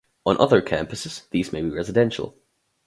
On other campuses these may be residential.